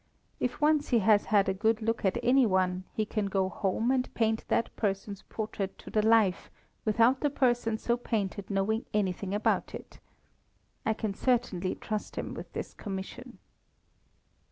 If once he has had a good look at any one, he can go home and paint that person's portrait to the life without the person so painted knowing anything about it. I can certainly trust him with this commission."